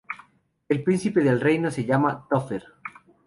El príncipe del reino se llama "Topher".